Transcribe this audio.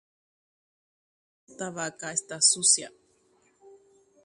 Ko vaka iky’a.